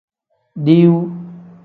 Diiwu.